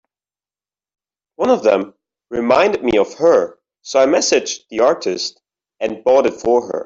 One of them reminded me of her, so I messaged the artist and bought it for her.